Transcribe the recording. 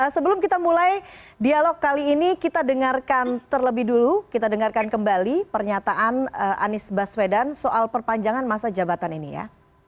sebelum kita mulai dialog kali ini kita dengarkan terlebih dulu kita dengarkan kembali pernyataan anies baswedan soal perpanjangan masa jabatan ini ya